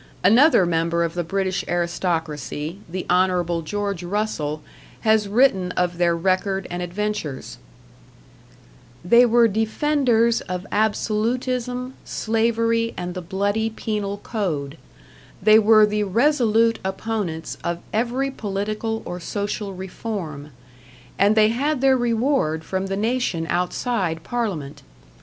Another member of the British aristocracy, the Hon. Geo. Russel, has written of their record and adventures: They were defenders of absolutism, slavery, and the bloody penal code; they were the resolute opponents of every political or social reform; and they had their reward from the nation outside parliament.